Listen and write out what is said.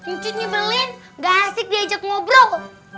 ncut nyebelin nggak asik diajak ngobrol